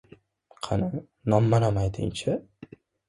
Qani, nomma-nom ayting-chi?..